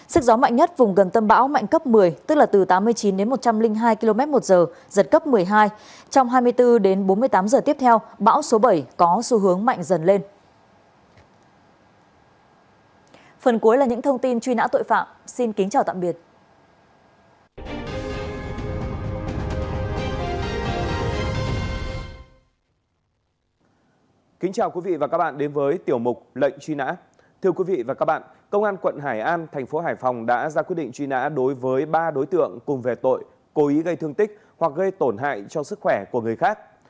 sức gió mạnh nhất vùng gần tâm bão mạnh cấp một mươi tức là từ tám mươi chín đến một trăm linh hai km một giờ giật cấp một mươi hai